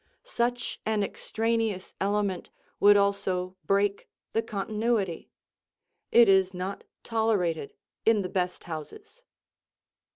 Such an extraneous element would also break the continuity. It is not tolerated in the best houses.